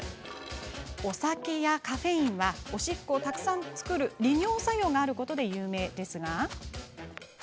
お酒やカフェインはおしっこをたくさん作る利尿作用があることで有名ですが。